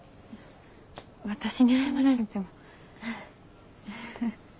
私に謝られても。